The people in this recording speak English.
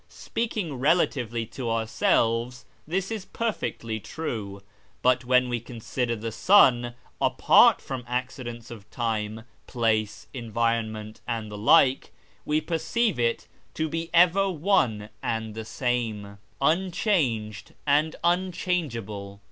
Speaking relatively to ourselves this is perfectly true, but when we consider the sun apart from accidents of time, place, environment, and the like, we perceive it to be ever one and the same, unchanged and unchangeable.